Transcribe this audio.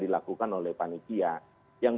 dilakukan oleh panikia yang